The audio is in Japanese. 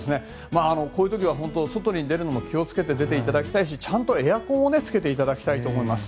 こういう時は本当に外に出るのにも気を付けて出ていただきたいですしちゃんとエアコンをつけていただきたいと思います。